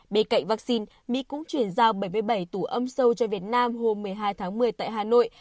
bên cạnh vaccine mỹ cũng chuyển giao bảy mươi bảy tủ âm sâu cho việt nam hôm một mươi hai tháng một mươi tại hà nội